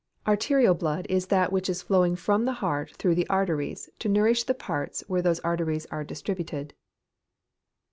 _ Arterial blood is that which is flowing from the heart through the arteries to nourish the parts where those arteries are distributed.